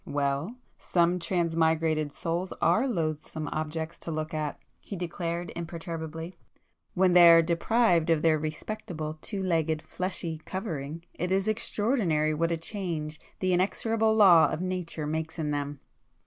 "Well,—some 'transmigrated' souls are loathsome objects to look at;"—he declared imperturbably—"When they are deprived of their respectable two legged fleshly covering, it is extraordinary what a change the inexorable law of Nature makes in them!"